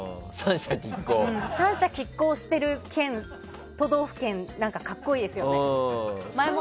三者拮抗している都道府県格好いいですよね。